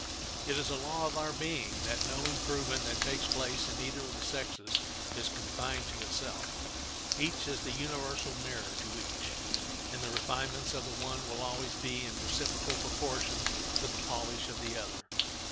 It is a law of our being that no improvement that takes place in either of the sexes is confined to itself; each is the universal mirror to each, and the refinements of the one will always be in reciprocal proportion to the polish of the other.